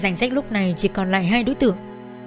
danh sách lúc này chỉ còn lại hai đối tượng